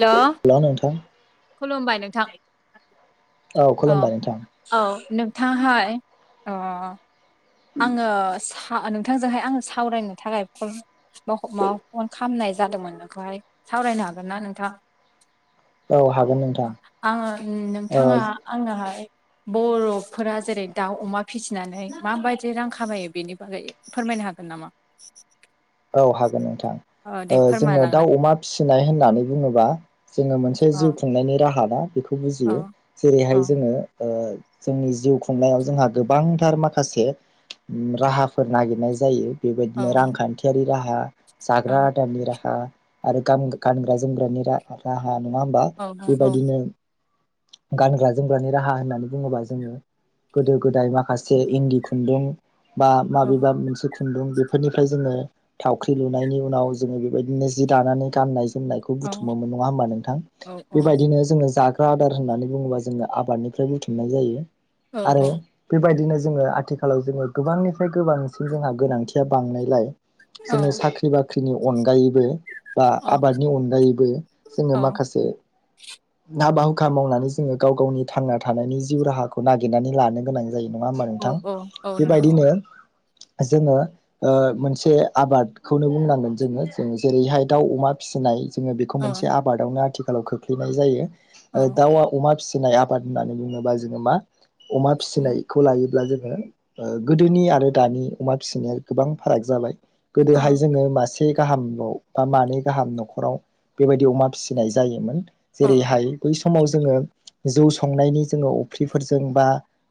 हेल' hello नोंथां। खुलुमबाय नोंथां औ खुलुमबाय नोंथां औ नों नोंथाङाहाय आङो सा नोंथांजोंहाय आं सावरायनो थाखाय फन माबा फन खालामनाय जादोंमोन नोंखौहाय सावरायनो हागोन ना नोंथां? औ हागोन नोंथां आङो ओ नोंथाङा आंनोहाय बर'फोरा जेरै दाउ अमा फिसिनानै माबायदि जे रां खामायो बेनि बागै फोरमायनो हागोन नामा? औ हागोन नोंथां औ दे ओ जोङो दाउ फोरमायलांलाय अमा फिसिनाय होननानै बुङोबा जोङो मोनसे से जिउ औ खुंनायनि राहा ना बेखौ औ बुजियो औ जेरैहाय जोङो ओ जोंनि जिउ खुंनायाव जोंहा गोबांथार माखासे राहाफोर नागिरनाय जायो। औ बेबायदिनो रांखान्थियारि राहा औ जाग्रा आदारनि राहा आरो गानग्रा जोमग्रानि राहा नङा होमबा औ औ बेबायदिनो गानग्रा जोमग्रानि राहा होननानै बुङोबा जोङो गोदो गोदाय माखासे इन्दि खुन्दुं बा औ माबेबा मोनसे खुन्दुं बेफोरनिफ्राय जोङो थावख्रि लुनायनि उनाव जोङो बेबायदिनो जि दानानै गाननाय जोमनायखौ औ बुथुमोमोन नङा होनबा नोंथां औ बेबायदिनो जोङो जा ग्रा आदार होननानै बुङोबा जोङो आबादनिफ्राय बुथुमनाय जायो आरो बेबायदिनो ज जोङो आथिखालाव जोङो गोबांनिफ्राय गोबांसिन जोंहा गोनांथिया बांनायलाय औ जोङो साख्रि बाख्रिनि अनगायैबो औ आबादनि अनगायैबो जोङो औ माखासे हाबा खा मावनानै जोङो गाव गावनि थांना थानायनि जिउ राहाखौ नागिरनानै लानो गोनां यो नोङा होमब्ला औ नोंथां? औ औ नोंथां आबादखौनो बुंनांगोन जोङो जों जेरैहाय दाउ अमा फिसिनाय जोङो बेखौ औ मोनसे आबादावनो आथिलाव खोख्लैनाय जायो औ दाउ अमा फिसि [unintelligible] आबाद होननानै बुङोबा जोङो मा अमा औ फिसिनायखौ लायोब्ला जों गोदोनि आरो दानि अमा फिसिनाया गोबां फाराग जाबाय गोदोहाय जोङो मासे गाहामाव बा मानै गाहाम नखराव बेबायदि अमा फिसिनाय जायोमोन। औ जेरैहाय बै समाव जोङो जौ संनायनि जोङो अफ्रिफोरजों बा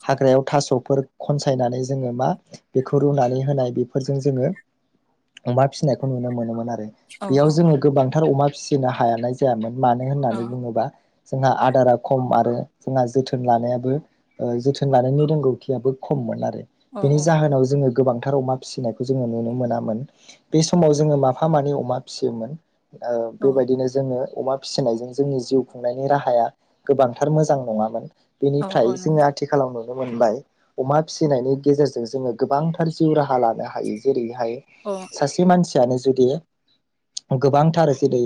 हाग्रायाव थास'फोर खनसायनानै जोङो मा बेखौ रुनानै होनाय बेफोरजों जोङो अमा फिसिनायखौ नुनो मोनोमोन आरो। बेयाव जोङो गोबां [unintelligible] अमा फिसिनो हायानाय जायामोन मानो औ होननानै बुङोबा जोंहा आदारा खम आरो जोंहा जोथोन लानायाबो, जोथोन लानायनि रोंगौथियाबो खममोन आरो। औ बेनि जाहोनाव जोङो गोबांथार अमा फिसिनायखौ जोङो नुनो मोनामोन। बे समाव जोङो माफा मानैानि अमा फिसियोमोन ओ बेबायदिनो जोङो अमा फिसिनायजों जोंनि जिउ खुंनायनि राहाया गोबांथार मोजां नङामोन। औ नोंथां औ बेनिफ्राय औ जोङो आथिखालावनो नुनो मोनबाय अमा फिसिनायनि गेजेरजों जोङो गोबांथार जिउ राहा लानो हायो। जेरै हायो ओ सासे मानसियानो जुदि गोबांथार जेरै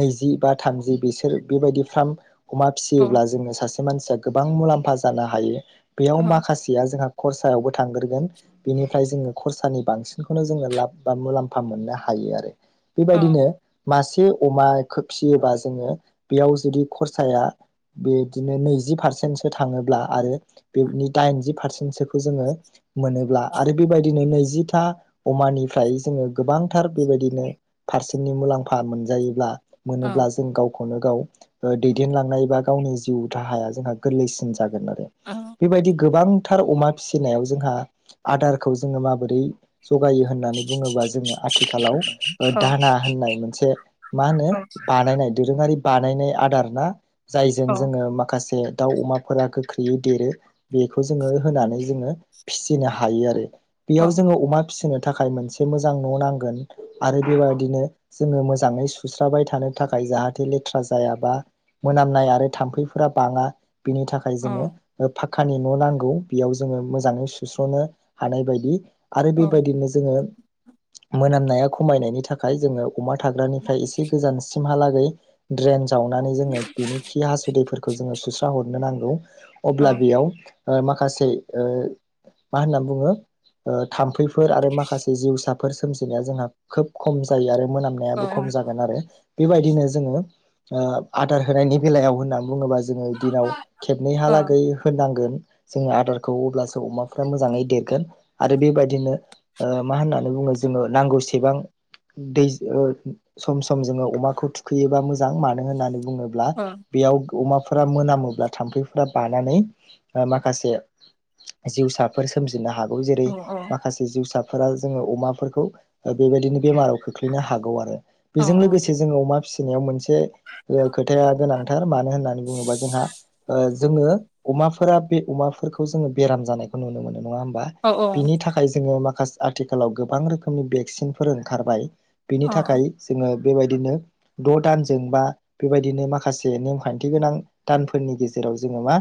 नैजि बा थामजि बिसोर बेबायदि फ्राम अमा ओ औ औ फिसियोब्ला जोङो सासे मानसिया गोबां मुलाम्फा जानो हायो बेयाव माखासेया जोंहा खरसायावबो थांग्रोगोन बिनिफ्राय जोङो खरसानि बांसिन [unintelligible] जोङो लाब मुलामा मोननो हायो आरो। बेबायदिनो औ मासे [unintelligible] अमाखो फिसियोबा जोङो बेयाव जुदि खरसाया बेदिनो नैजि पारसेन्टसो थाङोब्ला आरो बेनि दाइनजि पारसेन्टसोखौ जोङो मोनोब्ला आरो बेबायदिनो नैजिथा अमानिफ्राय जोङो गोबांथार बेबायदिनो पारसेन्टनि मुलाम्फा मोनजायोब्ला मोनोब्ला जों गाव गावखौनो- गाव दैदेनलांनाय एबा गावनि जिउ राहाया जोंहा गोरलैसिन जा [unintelligible] आरो औ बेबायदि गोबां थार अमा फिसिनायाव जोंहा आदारखौ जोङो माबोरै जगायो होननानै बुङोबा जोङो आथिखालाव दाला होननाय मोनसे मा होनो बानायनाय दोरोङारि बानायनाय आदार ना जायजों जोङो माखासे दाउ अमाफोरा गोख्रैयै देरो बेखौ जोङो होनानै जोङो फिसिनो हायो आरो। बेयाव जोङो अमा फिसिनो थाखाय मोनसे मोजां न' नांगोन आरो बेबायाददिनो जोङो मोजाङै सुस्राबाय थानो थाखाय जाहाथे लेथ्रा जायाबा मोनामनाय आरो थाम्फैफोरा बाङा बिनि थाखाय जोङो [unintelligible] [unintelligible] न' नांगौ बेयाव जोङो मोजाङै सुस्र'नो हानाय बायदि आरो बेबायदिनो जोङो मोनामनाया खमायनायनि थाखाय जोङो अमा थाग्रानिफ्राय एसे गोजानसिमहालागै ड्रेन जावनानै जोङो बिनि खि -हासुदैफोरखौ जोङो सुस्रा हरनो नांगौ। अब्ला बेयाव ओ माखासे ओ मा होनना बुङो थाम्फैफोर आरो माखासे जिउसा बेफोर सोमजिनाया जोंहा खोब खम जायो आरो मोनामनायाबो खम जागोन आरो। बेबायदिनो जोङो ओ आदार होनायनि बेलायाव होननानै बुङोबा जों दिनाव खेबनैहालागै होनांगोन। जों आदारखौ अब्ला जों अमाफ्रा मोजाङै देरगोन आरो बेबायदिनो मा होननानै बुङो जोङो नांगौसेबां दै सम -सम जोङो अमाखौ थुखैयोबा मोजां मानो होननानै बुङोब्ला बेयाव अमा [unintelligible] मोनामोब्ला थामफैफोरा बानानै माखासे जिउसाफोर सोमजि हागौ जेरै माखासे जिउसाफोरा जोङो अमाफोरखौ बेबायदिनो बेमाराव खोख्लैनो हागौ आरो। बेजों लोगोसे जोङो अमा फिसा नायाव मोनसे खोथाया गोनांथार मानो होननानै बुङोबा जोंहा जोङो अमाफोरा बे अमाफोरखौ जोङो बेराम जानायखौ नुनो मोनो नङा होमा बिनि थाखाय जोङो माखासे आथिखालाव गोबां रोखोमनि भेक्सिनफोर ओंखारबाय बिनि थाखाय जोङो बेबायदिनो द' दानजों बा बेबायदिनो माखासे नेमखान्थि गोनां दानफोरनि गेजेरजों जोङोमा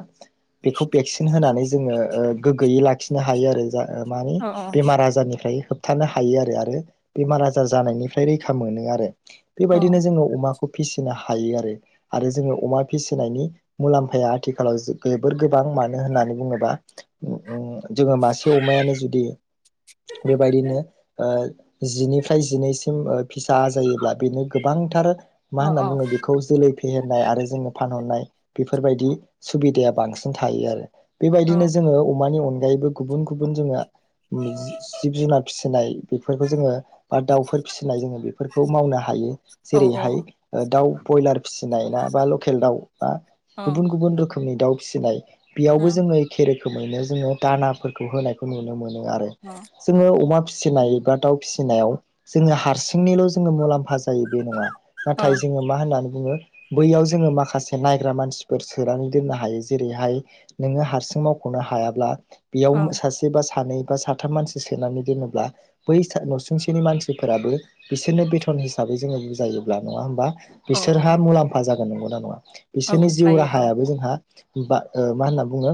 बेखौ भेकसिन होनानै जो गोगयै लाखिनो हायो आरो। माने बेमार आजारनिफ्राय होबथानो हायो आरो आरो बेमार आजार जानायनिफ्राय रैखा मोनो आरो। बेबायदिनो जोङो अमाखौ फिसिनो हायो आरो आरो जोङो अमा फिसिनायनि मुलाम्फाया आथिखालाव जोबोर गोबां मानो होननानै बुङोबा जोङो मासे अमायानो जुदि बेबायदिनो ओ जिनिफ्राय जिनैसिम फिसा जायोब्ला बेनो गोबांथार मा होनना बुङो बेखौ जोलै फेहेरनाय आरो जोङो फानहरनाय बेफोरबायदि सुबिदाया बांसिन थायो आरो बेबायदिनो जोङो अमानि अनगायैबो गुबुन गुबुन जोङो जिब जुनार फिसिनाय बेफोरखौ जोङो बा दाउफोर फिसिनाय जोङो बे फोरखौ मावनो हायो जेरैहाय दाउ ब्रयलार फिसिनाय ना बा लकेल दाउ बा गुबुन गुबुन रोखोमनि दाउ फिसिनाय बेयावबो जोङो एखे रोखोमैनो जोङो दानाफोरखौ होनायखौ नुनो मोनो। आरो जोङो अमा फि फिसिनाय बा दाउ फिसिनायाव जोङो हारसिंनिल' जोङो मुलाम्फ जों जायो बे नङा नाथाय जोङो मा होननानै ङो बैयाव जोङो माखासे नायग्रा मानसिफोर सोनानै दोननो हायो जेरैहाय नोङो हारसि ख'नो हायाब्ला बेयाव सासे बा सानै बा साथाम मानसि सोनानै दोनोब्ला बै न'सुंसेनि मानसिफोराबो बिसोरनो बेथन हिसाबै बे जोङो बुजायोब्ला नङा ह होनोमबा बिसोरहा मुलाम्फा जागोन नंगौना नङा बिसोरनि जिउ जायो औ राहायाबो जोंहा बा मा होनना बुङो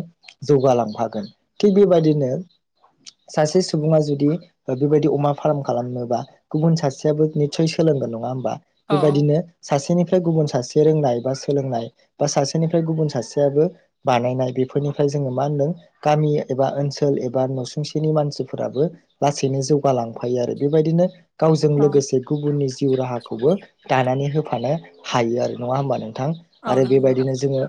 जौगालांफागोन थिग बेबायदिनो सासे सुबुङा जुदि बेबायदि अमा फार्म खालामनोबा गुबुन सासेयाबो निस्सय सोलोंगोन नङा होमबा औ औ बेबायदिनो सासेनिफ्राय गुबुन सासे रोंनाय बा सोलोंनाय बा सासेनिफ्राय गुबुन सासेयाबो बानायनाय बेफोरनिफ्राय जोङोमा होनदों गामि एबा अनसोल एबा नसुं सेनि मानसिफोराबो लासैनो जौगालांफायो आरो बेबायदिनो गावजों लोगोसे गुबुननि जिउ राहाखौबो दानानै होफानो हायो आरो नङा होमबा नों थां औ आरो नंगौ नोंथां बेबायदिनो जोङो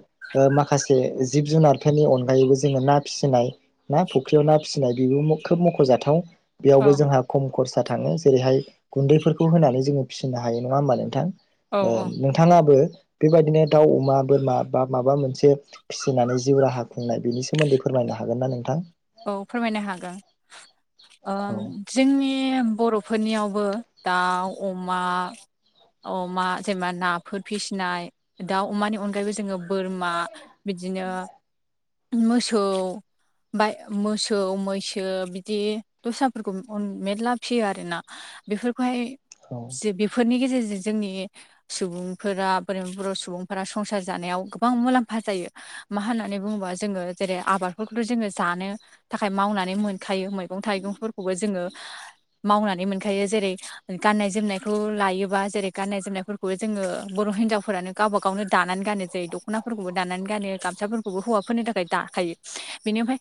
माखासे जिब जुनारफोरनि अनगायैबो जोङो ना फिसिनाय ना फुख्रियाव ना फिसिनाय बेबो खोब मख'जाथाव बेयावबो जोंहा खम खरसा थाङो जेरैहाय गुन्दैफोरखौ होनानै जोङो फिसिनो हायो नङा होमबा नोंथां औ औ नोंथाङाबो बेबायदिनो दाउ अमा बोरमा बा माबा मोनसे फिसिनानै जिउ राहा खुंनाय बेनि सोमोन्दै फोरमाय मायनो हागोन ना नोंथां। औ फोरमायनो हागोन औ जोंनि बर' फोरनियावबो दाउ अमा अमा जेनेबा नाफोर फिसिनाय दाउ अमानि अनगायैबो जोङो बोरमा बिदिनो मोसौ बाय मोसौ मैसो बिदि दस्राफोरखौ उन मेरला फिसियो आरोना। बेफोरखौहाय औ जे बेफोरनि गेजेरजों जे जोंनि सुबुंफोरा बोरै बर' सुबुंफोरा संसार जानायाव गोबां मुलाम्फा जायो। मा होन्नानै बुङोबा जोङो जेरै आबादफोरखौथ' जोङो- जानो थाखाय मावनानै मोनखायो मैगं थाइगंफोरखौबो जोङो मावनानै मोनखायो जे एरै गान्नाय जोमनायखौ लायोबा जेरै गान्नाय जोमनायफोरखौ जोङो बर' हिनजावफोरानो गावबा गाव नो अदानानै गानो जायो दख'नाफोरखौबो दानानै गानो गामसाफोरखौबो हौवाफोरनो थाखाय दाखायो बेनिमफ्राय [unintelligible]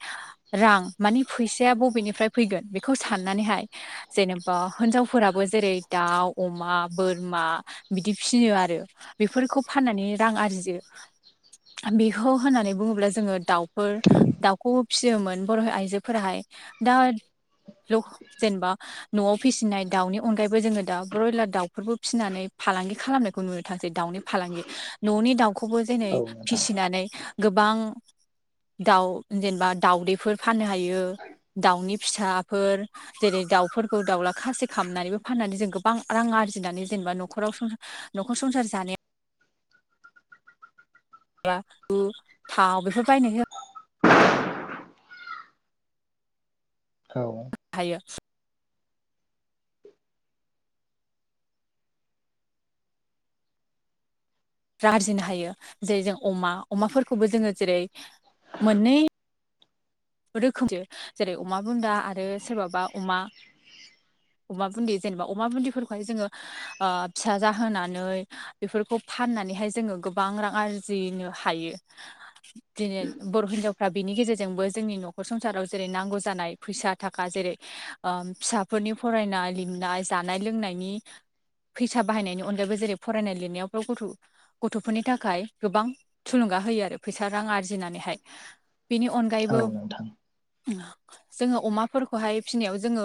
रां मानि फैसाया बबेनिफ्राय फैगोन बेखौ साननानैहाय जेनेबा होनजावफोराबो जेरै दाउ अमा बोरमा बिदि फियो आरो बेफोरखौ फाननानै रां आर जियो बेखौ होननानै बुङोब्ला जोङो दाउफोर दाउ खौ फिसियोमोन बर' आइजोफोराहाय दा लौ जेनेबा न'आव फिसिनाय दाउनि अनगायैबो जोङो दा ब्रयलार दाउफोरबो फिसिनानै फालांगि खालामनायखौ नुनो थांसै दाउनि फालांगि न'नि दाउखौ खौबो जेनै औ नोंथां फिसिनानै गोबां दाउ जेनेबा दाउदैफोर फाननो हायो- दाउनि फिसाफोर जेरै दाउफोरखौ दाउला खासि खालामनानैबो फाननानै जों गोबां रां आ आरजिनानै जेनेबा न'खराव संस न'खर संसार जानाया या उ थाव बेफोर बायनो हो औ हायो जा आर्जिनो हायो जेरै जों अमा अमाफोरखौबो जोङो जेरै मोननै रोखोमजो जेरै अमा बुन्दा आरो सोरबाबा अमा अमा बुन्दि जेनेबा अमा बुन्दिफोरखौहाय जोङो आ फिसा जाहोनानै बेफोरखौ फानना नै हाय जोङो गोबां रां आरजिनो हायो दिनै बर' हिनजावफ्रा बिनि गेजेरजोंबो जोंनि न'खर संसाराव जेरै नांगौ जानाय फैसा थाखा जेरै ओम फिसाफोरनि फरायनाय लिर नाय जानाय लोंनायनि फैसा बाहायनायनि अनगायैबो जेरै फरायनाय लिरनायावथ' गथ' गथ'फोरनि थाखाय गोबां थुलुं गा होयो आरो फैसा रां आर्जिनानैहाय बिनि औ अनगायैबो नोंथां [unintelligible] जोङो अमाफोरखौहाय फिसिनायाव जोङो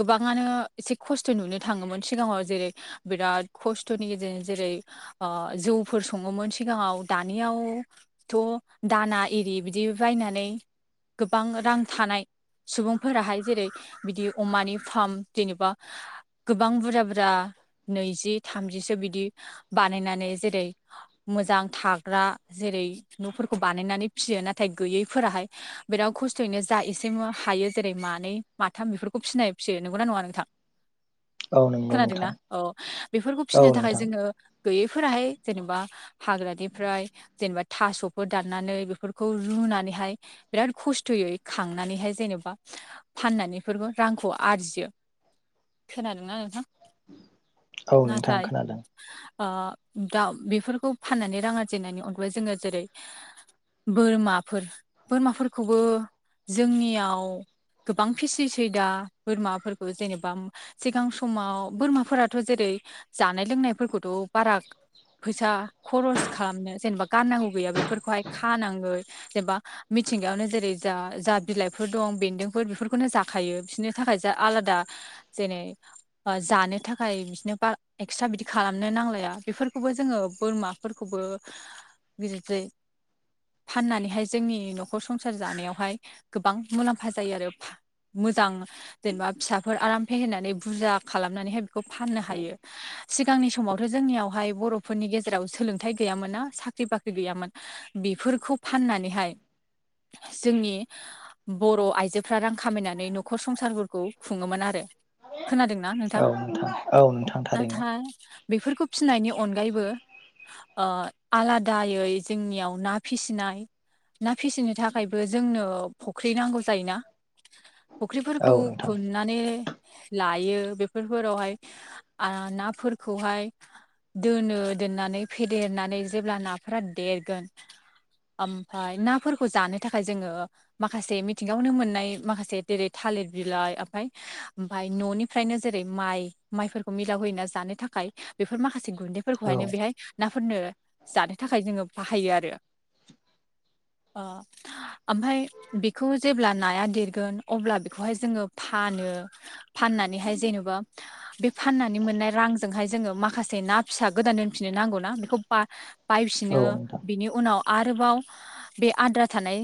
गोबाङानो एसे खस्थ' नुनो थाङोमोन सिगाङाव जेरै बिराद खस्थ'नि गेजेरजों जेरै आ जौफोर सङोमोन सिगाङाव दानियाव थ' दाना एरि बिदि बायनानै गोबां रां थानाय सुबुंफोराहाय जेरै बिदि अमानि फाम जेनेबा गोबां बुरजा बुरा नैजि थामजिसो बिदि बानायनानै जेरै मोजां थाग्रा जेरै न'फोरखौ बानायनानै फिसियो नाथाय गैयैफोराहाय बिरा खस्थ'यैनो जा एसे युवा हायो जेरै मानै माथाम बेफोरखौ फिसिनाय फिसियो नंगौना नङा नोंथां? औ नंगौ खोनादोंना नोंथां अ बेफोरखौ फिसिनो औ थाखाय नोंथां जोङो गैयैफोराहाय जेनेबा हाग्रानिफ्राय जेनेबा थास'फोर दाननानै बेफोरखौ रु उनानैहाय बिराद खस्थ'यै खांनानैहाय जेनेबा फाननानैफोरबो रांखौ आरजियो खोनादोंना नोंथां? औ नोंथां खोनादों आ दा बेफोरखौ फाननानै रां आरजिनायनि अनगाय जोङो जेरै बोरमाफोर बोरमाफोरखौबो जोंनियाव गोबां फिसिसै दा बोरमाफोरखौ जेनेबा सिगां समाव बोरमाफोराथ' जेरै ऐ जानाय लोंनायफोरखौथ' बारा फैसा खरस खालामनो जेनेबा गाननांगौ गैया बेफोरखौहाय खानाङै जेनबा मिथिंगायावनो जेरै जा जा बिलाइफोर दं बेन्दोंफोर बेफोरखौनो जाखायो बिसोरनि थाखाय जा आलादा जेरै जानो थाखाय बिदिनो बा एक्सट्रा बिदि खालामनो नांलाया बेफोरखौबो जोङो बोरमाफोरखौबो बिदि फाननानैहाय जोंनि न'ख न'खर संसार जानायावहाय गोबां मुलाम्फा जायो आरो मोजां जेनेबा फिसाफोर आराम फेहेरनानै बुरजा खालामनानैहाय खौ फाननो हायो। सिगांनि समावथ' जोंनियावहाय बर'फोरनि गेजेराव सोलोंथाइ गैयामोन ना साख्रि-बाख्रि गैयामोन बि बेफोरखौ फाननानैहाय। जोंनि बर' आइजोफ्रा रां खामायनानै न'खर संसारफोरखौ खुङोमोन आरो। खोनादोंना औ नोंथां? औ नोंथां थारैनो नाथाय बेफोरखौ फिनायनि अनगायैबो। ओ आलादायै जोंनियाव ना फिसिनाय ना फिसिनो थाखायबो जोंनो फुख्रि नांगौ जायोना। औ फुख्रिफोरखौ नोंथां खुरनानै। लायो बेफोरफोरावहाय आ नाफोरखौहाय। दोनो दोननानै फेदेरनानै जेब्ला नाफोरा देरगोन। ओमफाय ना फोरखौ जानो थाखाय जोङो माखासे मिथिंगायावनो मोननाय माखासे जेरै- थालिथ बिलाइ ओमफाय ओमफाय न'निफ्रायनो जेरै- माइ माइफोरखौ मिलाव होयोना जानो थाखाय बेफोर माखासे गु औ गुन्दैफोरखौहायनो औ बेहाय नाफोरनो जानो थाखाय जोङो बाहायो आरो। ओ ओमफाय बेखौ जेब्ला नाया देरगोन अब्ला बेखौहाय जोङो फा नो फाननानैहाय जेनेबा बे फाननानै मोननाय रांजोंहाय जोङो माखासे ना फिसा गोदान दोनफिननो नांगौना बेखौ बा-बायफिनो नोंथां बिनि उनाव आरोबाव बे आद्रा थानाय।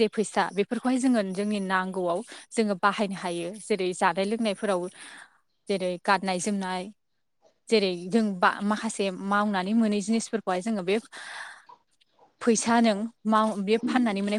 जे फैसा बेफोरखौहाय जोङो जोंनि नांगौआव जोङो बाहायनो हायो जेरै- जानाय लोंनायफोराव जेरै- गाननाय-जोमनाय। जेरै- जों बा माखासे मावनानै मोनै जिनिसफोरखौहाय जोङो बे फैसा नों मा बे फाननानै मोननाय